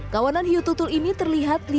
kawanan hiu tutul ini terlihat lima mil jauh